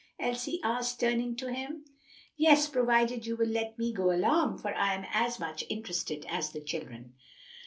Elsie asked, turning to him. "Yes; provided you will let me go along, for I am as much interested as the children."